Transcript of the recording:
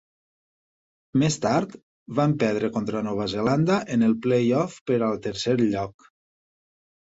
Més tard van perdre contra Nova Zelanda en el playoff per al tercer lloc.